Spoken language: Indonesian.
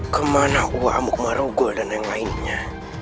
kemana uakmu ke marugol dan yang lainnya